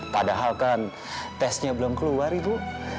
padahal kan tesnya belum keluar ibu